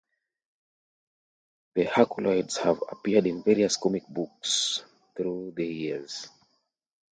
The Herculoids have appeared in various comic books through the years.